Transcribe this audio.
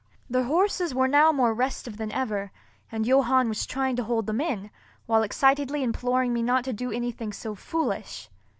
The horses were now more restive than ever, and Johann was trying to hold them in, while excitedly imploring me not to do anything so foolish.